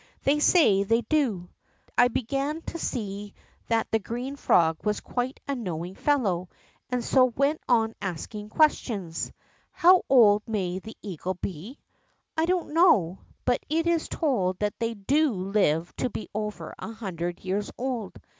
They say they do.^ I began to see that the green frog was quite a knowing fellow, and so went on asking questions. "^ How old may the eagle be ?'^ I don't know, but it is told that they do live to be over a hundred years old.